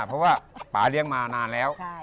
เพราะว่าป่าเลี้ยงมานานแล้ว